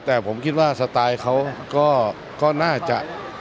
แต่ผมคิดว่าสไตล์เขาก็น่าจะ